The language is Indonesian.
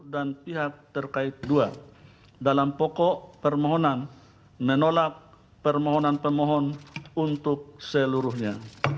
dan pihak terkait dua dalam pokok permohonan menolak permohonan pemohon untuk seluruhnya